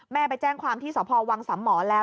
ไปแจ้งความที่สพวังสำหมอแล้ว